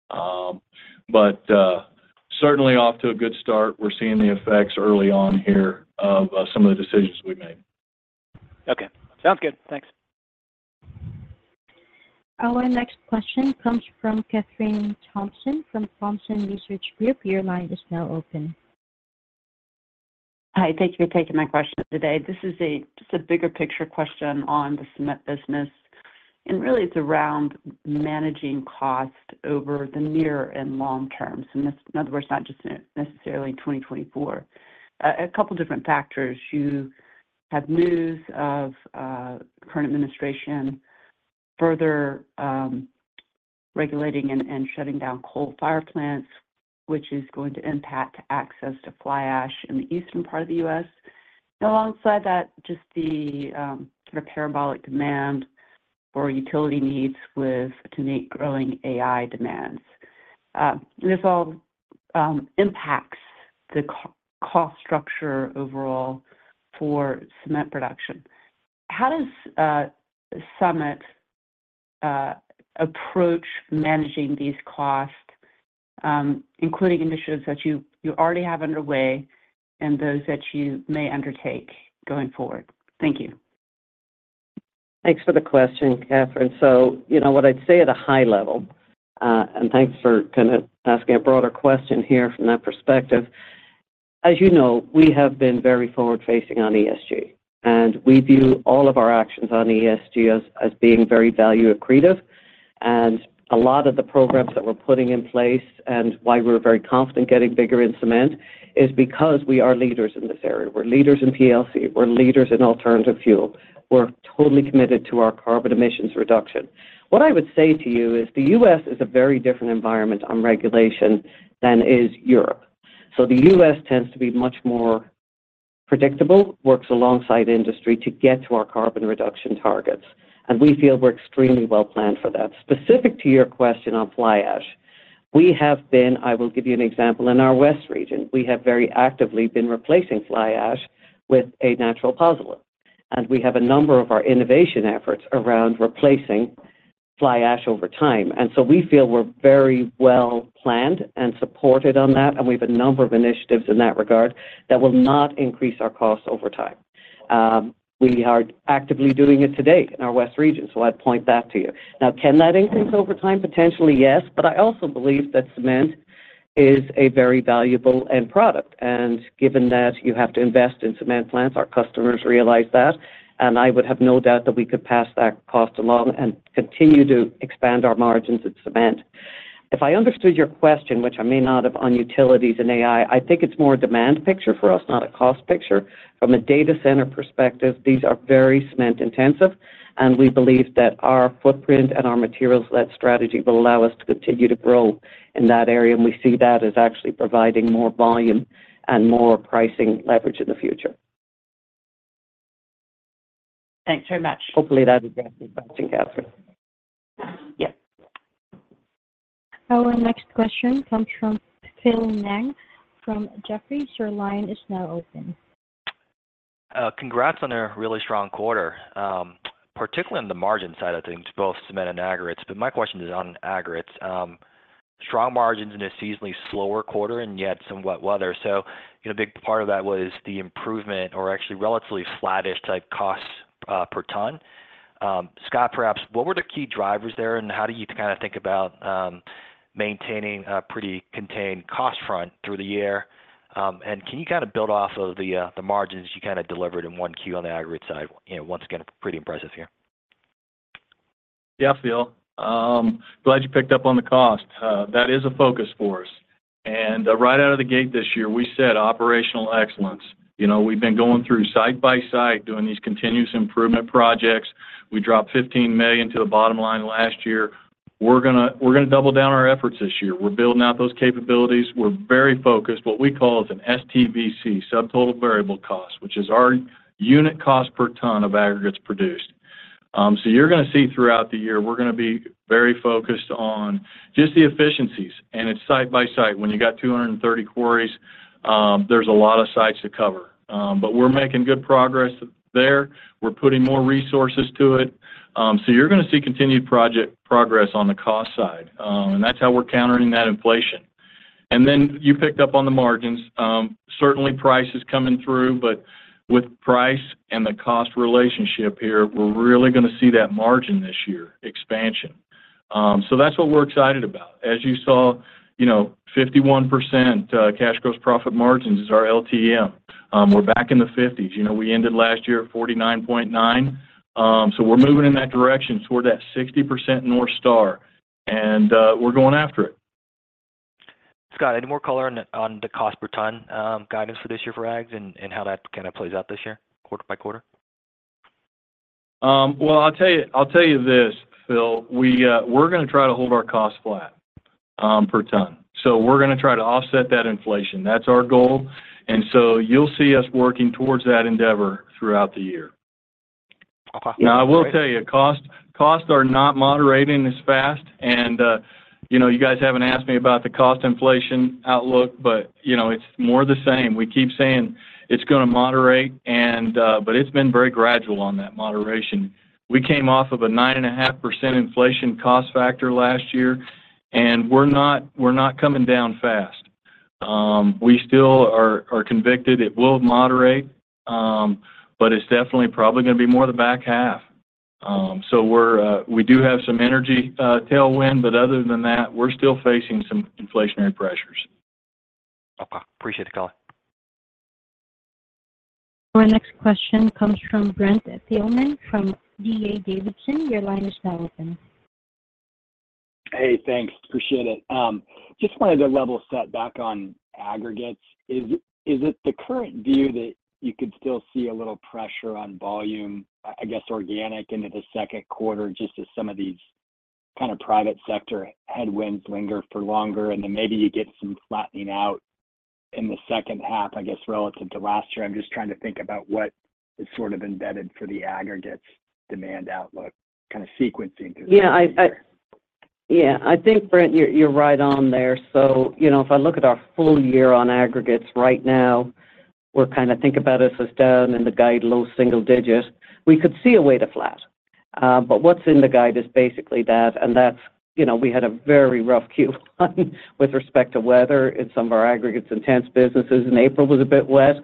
But certainly off to a good start. We're seeing the effects early on here of some of the decisions we made. Okay. Sounds good. Thanks. Our next question comes from Kathryn Thompson from Thompson Research Group. Your line is now open. Hi. Thank you for taking my question today. This is just a bigger picture question on the cement business, and really, it's around managing cost over the near and long term. So in other words, not just necessarily 2024. A couple of different factors. You have news of current administration further regulating and shutting down coal-fired plants, which is going to impact access to fly ash in the eastern part of the U.S. And alongside that, just the kind of parabolic demand for utility needs with the ongoing growing AI demands. This all impacts the cost structure overall for cement production. How does Summit approach managing these costs, including initiatives that you already have underway and those that you may undertake going forward? Thank you. Thanks for the question, Kathryn. So what I'd say at a high level - and thanks for kind of asking a broader question here from that perspective - as you know, we have been very forward-facing on ESG, and we view all of our actions on ESG as being very value-accretive. And a lot of the programs that we're putting in place and why we're very confident getting bigger in cement is because we are leaders in this area. We're leaders in PLC. We're leaders in alternative fuel. We're totally committed to our carbon emissions reduction. What I would say to you is the U.S. is a very different environment on regulation than is Europe. So the U.S. tends to be much more predictable, works alongside industry to get to our carbon reduction targets. And we feel we're extremely well planned for that. Specific to your question on fly ash, we have been. I will give you an example in our West region. We have very actively been replacing fly ash with a natural pozzolan. We have a number of our innovation efforts around replacing fly ash over time. So we feel we're very well planned and supported on that, and we have a number of initiatives in that regard that will not increase our costs over time. We are actively doing it today in our West region, so I'd point that to you. Now, can that increase over time? Potentially, yes. But I also believe that cement is a very valuable end product. Given that you have to invest in cement plants, our customers realize that. I would have no doubt that we could pass that cost along and continue to expand our margins in cement. If I understood your question, which I may not have on utilities and AI, I think it's more a demand picture for us, not a cost picture. From a data center perspective, these are very cement-intensive, and we believe that our footprint and our materials-led strategy will allow us to continue to grow in that area. We see that as actually providing more volume and more pricing leverage in the future. Thanks very much. Hopefully, that addresses that to you, Kathryn. Yep. Our next question comes from Phil Ng from Jefferies. Your line is now open. Congrats on a really strong quarter, particularly on the margin side, I think, to both cement and aggregates. But my question is on aggregates. Strong margins in a seasonally slower quarter and yet somewhat weather. So a big part of that was the improvement or actually relatively flat-ish type cost per ton. Scott, perhaps, what were the key drivers there, and how do you kind of think about maintaining a pretty contained cost front through the year? And can you kind of build off of the margins you kind of delivered in 1Q on the aggregate side? Once again, pretty impressive here. Yeah, Phil. Glad you picked up on the cost. That is a focus for us. Right out of the gate this year, we said operational excellence. We've been going through site by site doing these continuous improvement projects. We dropped $15 million to the bottom line last year. We're going to double down our efforts this year. We're building out those capabilities. We're very focused. What we call is an STVC, subtotal variable cost, which is our unit cost per ton of aggregates produced. So you're going to see throughout the year, we're going to be very focused on just the efficiencies. It's site by site. When you got 230 quarries, there's a lot of sites to cover. But we're making good progress there. We're putting more resources to it. So you're going to see continued project progress on the cost side. That's how we're countering that inflation. Then you picked up on the margins. Certainly, price is coming through. But with price and the cost relationship here, we're really going to see that margin this year expansion. That's what we're excited about. As you saw, 51% cash gross profit margins is our LTM. We're back in the 50s. We ended last year at 49.9. We're moving in that direction toward that 60% North Star, and we're going after it. Scott, any more color on the cost per ton guidance for this year for aggs and how that kind of plays out this year quarter by quarter? Well, I'll tell you this, Phil. We're going to try to hold our cost flat per ton. So we're going to try to offset that inflation. That's our goal. And so you'll see us working towards that endeavor throughout the year. Now, I will tell you, costs are not moderating as fast. And you guys haven't asked me about the cost inflation outlook, but it's more the same. We keep saying it's going to moderate, but it's been very gradual on that moderation. We came off of a 9.5% inflation cost factor last year, and we're not coming down fast. We still are convicted it will moderate, but it's definitely probably going to be more the back half. So we do have some energy tailwind, but other than that, we're still facing some inflationary pressures. Okay. Appreciate the color. Our next question comes from Brent Thielman from D.A. Davidson. Your line is now open. Hey. Thanks. Appreciate it. Just wanted to level set back on aggregates. Is it the current view that you could still see a little pressure on volume, I guess, organic into the second quarter, just as some of these kind of private sector headwinds linger for longer and then maybe you get some flattening out in the second half, I guess, relative to last year? I'm just trying to think about what is sort of embedded for the aggregates demand outlook, kind of sequencing through that. Yeah. Yeah. I think, Brent, you're right on there. So if I look at our full year on aggregates right now, we're kind of think about us as down in the guide, low single digits. We could see a way to flat. But what's in the guide is basically that. And we had a very rough Q1 with respect to weather in some of our aggregates-intense businesses. In April, it was a bit wet.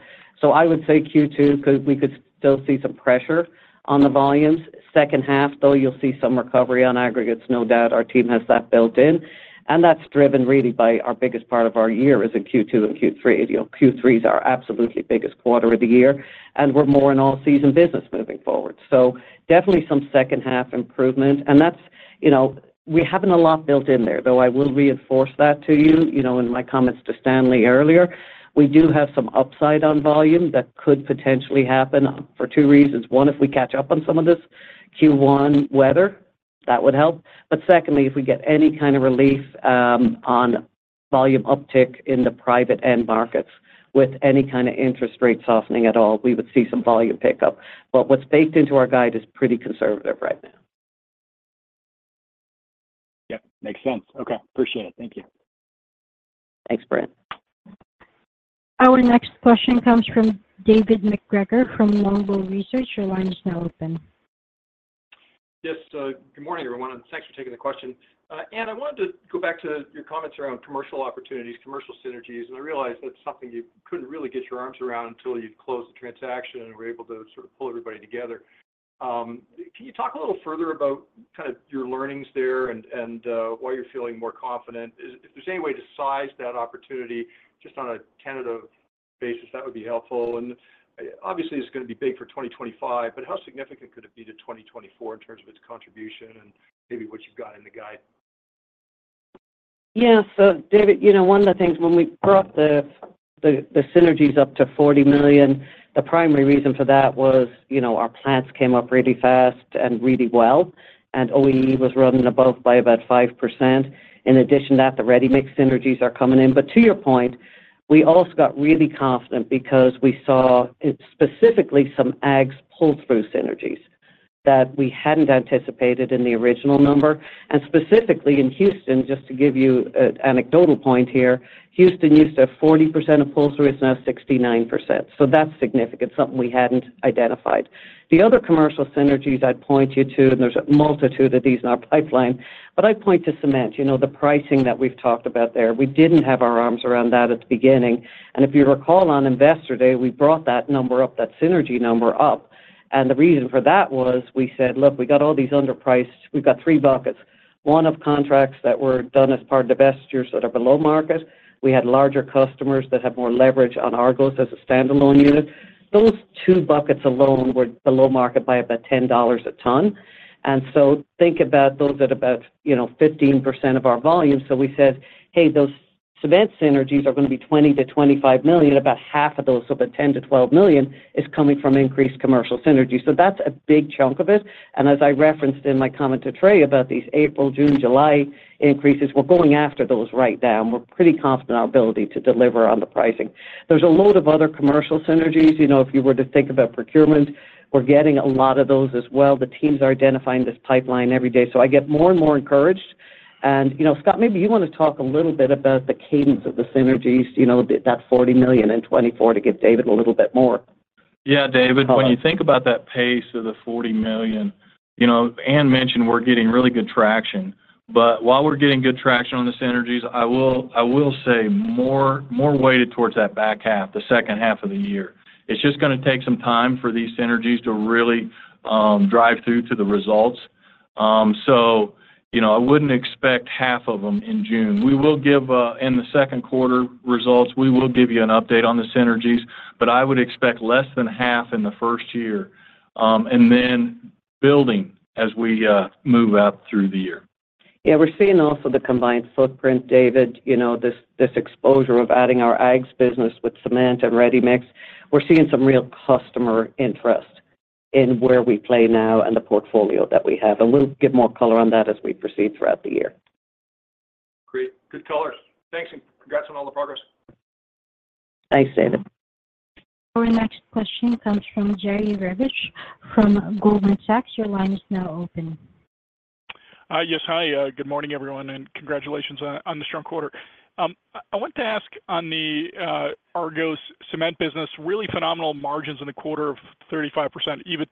So I would say Q2 because we could still see some pressure on the volumes. Second half, though, you'll see some recovery on aggregates. No doubt our team has that built in. And that's driven really by our biggest part of our year is in Q2 and Q3. Q3 is our absolutely biggest quarter of the year, and we're more in all-season business moving forward. So definitely some second-half improvement. We haven't a lot built in there, though. I will reinforce that to you in my comments to Stanley earlier. We do have some upside on volume that could potentially happen for two reasons. One, if we catch up on some of this Q1 weather, that would help. But secondly, if we get any kind of relief on volume uptick in the private end markets with any kind of interest rate softening at all, we would see some volume pickup. What's baked into our guide is pretty conservative right now. Yep. Makes sense. Okay. Appreciate it. Thank you. Thanks, Brent. Our next question comes from David MacGregor from Longbow Research. Your line is now open. Yes. Good morning, everyone, and thanks for taking the question. I wanted to go back to your comments around commercial opportunities, commercial synergies. I realize that's something you couldn't really get your arms around until you'd closed the transaction and were able to sort of pull everybody together. Can you talk a little further about kind of your learnings there and why you're feeling more confident? If there's any way to size that opportunity just on a tentative basis, that would be helpful. Obviously, it's going to be big for 2025, but how significant could it be to 2024 in terms of its contribution and maybe what you've got in the guide? Yeah. So, David, one of the things, when we brought the synergies up to $40 million, the primary reason for that was our plants came up really fast and really well, and OEE was running above by about 5%. In addition to that, the ready-mix synergies are coming in. But to your point, we also got really confident because we saw specifically some aggs pull-through synergies that we hadn't anticipated in the original number. And specifically in Houston, just to give you an anecdotal point here, Houston used to have 40% of pull-through. It's now 69%. So that's significant, something we hadn't identified. The other commercial synergies I'd point you to - and there's a multitude of these in our pipeline - but I'd point to cement, the pricing that we've talked about there. We didn't have our arms around that at the beginning. If you recall, on Investor Day, we brought that synergy number up. The reason for that was we said, "Look, we got all these underpriced. We've got three buckets. One of contracts that were done as part of divestitures that are below market. We had larger customers that have more leverage on our goals as a standalone unit. Those two buckets alone were below market by about $10 a ton. So think about those at about 15% of our volume. So we said, 'Hey, those cement synergies are going to be $20 million-$25 million. About half of those of a $10 million-$12 million is coming from increased commercial synergy.' So that's a big chunk of it. As I referenced in my comment to Trey about these April, June, July increases, we're going after those right now, and we're pretty confident in our ability to deliver on the pricing. There's a load of other commercial synergies. If you were to think about procurement, we're getting a lot of those as well. The team's identifying this pipeline every day. So I get more and more encouraged. And Scott, maybe you want to talk a little bit about the cadence of the synergies, that $40 million in 2024, to give David a little bit more. Yeah, David. When you think about that pace of the $40 million, Anne mentioned we're getting really good traction. But while we're getting good traction on the synergies, I will say more weighted towards that back half, the second half of the year. It's just going to take some time for these synergies to really drive through to the results. So I wouldn't expect half of them in June. In the second quarter results, we will give you an update on the synergies, but I would expect less than half in the first year and then building as we move up through the year. Yeah. We're seeing also the combined footprint, David, this exposure of adding our aggs business with cement and ready-mix. We're seeing some real customer interest in where we play now and the portfolio that we have. We'll give more color on that as we proceed throughout the year. Great. Good colors. Thanks and congrats on all the progress. Thanks, David. Our next question comes from Jerry Revich from Goldman Sachs. Your line is now open. Yes. Hi. Good morning, everyone, and congratulations on the strong quarter. I wanted to ask on our Argos cement business, really phenomenal margins in the quarter of 35%. Even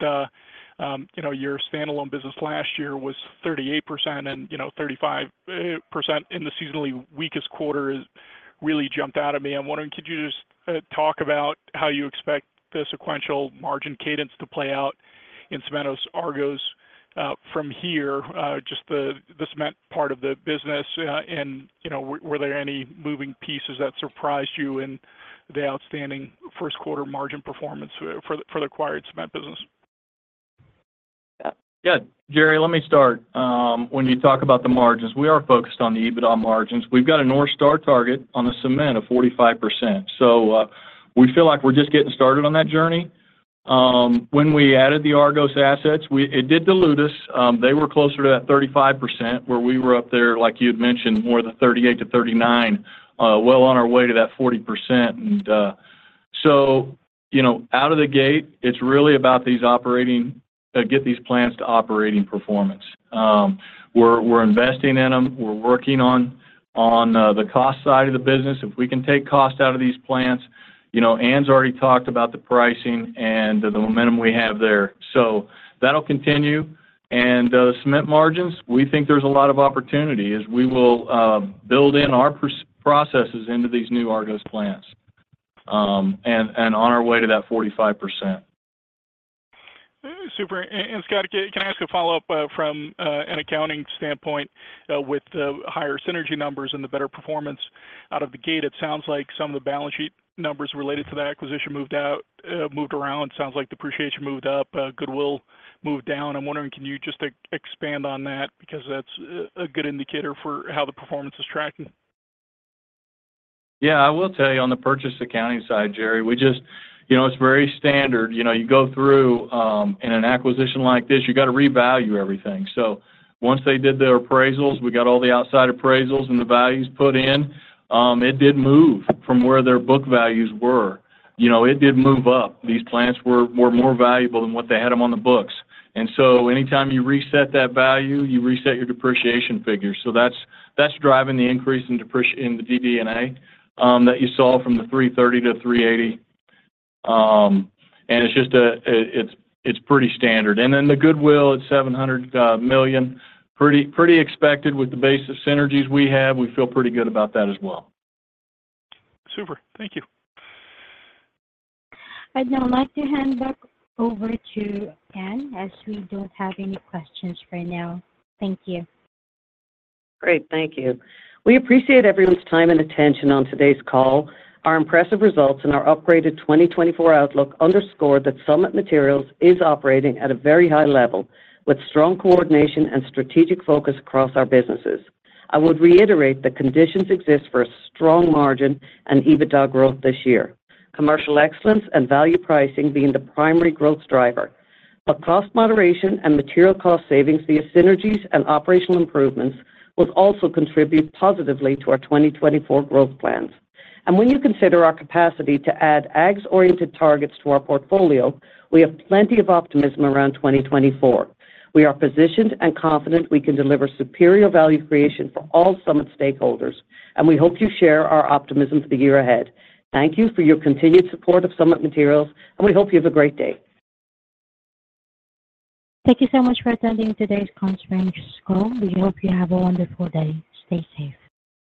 your standalone business last year was 38%, and 35% in the seasonally weakest quarter really jumped out at me. I'm wondering, could you just talk about how you expect the sequential margin cadence to play out in Cementos Argos from here, just the cement part of the business? And were there any moving pieces that surprised you in the outstanding first-quarter margin performance for the acquired cement business? Yeah. Jerry, let me start. When you talk about the margins, we are focused on the EBITDA margins. We've got a North Star target on the cement of 45%. So we feel like we're just getting started on that journey. When we added the Argos assets, it did dilute us. They were closer to that 35% where we were up there, like you had mentioned, more of the 38%-39%, well on our way to that 40%. And so out of the gate, it's really about getting these plants to operating performance. We're investing in them. We're working on the cost side of the business. If we can take cost out of these plants, Anne's already talked about the pricing and the momentum we have there. So that'll continue. The cement margins, we think there's a lot of opportunity as we will build in our processes into these new Argos plants and on our way to that 45%. Super. And Scott, can I ask a follow-up from an accounting standpoint with the higher synergy numbers and the better performance? Out of the gate, it sounds like some of the balance sheet numbers related to the acquisition moved around. It sounds like depreciation moved up. Goodwill moved down. I'm wondering, can you just expand on that because that's a good indicator for how the performance is tracking? Yeah. I will tell you, on the purchase accounting side, Jerry, it's very standard. You go through in an acquisition like this, you got to revalue everything. So once they did their appraisals, we got all the outside appraisals and the values put in, it did move from where their book values were. It did move up. These plants were more valuable than what they had them on the books. And so anytime you reset that value, you reset your depreciation figures. So that's driving the increase in the DD&A that you saw from $330 million to $380 million. And it's pretty standard. And then the goodwill at $700 million, pretty expected with the base of synergies we have. We feel pretty good about that as well. Super. Thank you. I'd now like to hand back over to Anne as we don't have any questions for now. Thank you. Great. Thank you. We appreciate everyone's time and attention on today's call. Our impressive results and our upgraded 2024 outlook underscore that Summit Materials is operating at a very high level with strong coordination and strategic focus across our businesses. I would reiterate that conditions exist for a strong margin and EBITDA growth this year, commercial excellence and value pricing being the primary growth driver. But cost moderation and material cost savings via synergies and operational improvements will also contribute positively to our 2024 growth plans. And when you consider our capacity to add aggs-oriented targets to our portfolio, we have plenty of optimism around 2024. We are positioned and confident we can deliver superior value creation for all Summit stakeholders, and we hope you share our optimism for the year ahead. Thank you for your continued support of Summit Materials, and we hope you have a great day. Thank you so much for attending today's conference call. We hope you have a wonderful day. Stay safe.